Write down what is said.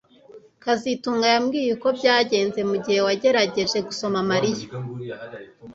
kazitunga yambwiye uko byagenze mugihe wagerageje gusoma Mariya